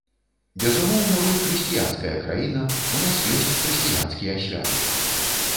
Безумоўна, мы хрысціянская краіна, у нас ёсць хрысціянскія святы.